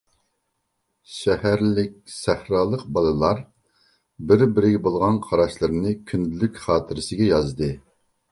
شەھەرلىك، سەھرالىق بالىلار بىر-بىرىگە بولغان قاراشلىرىنى كۈندىلىك خاتىرىسىگە يازدى.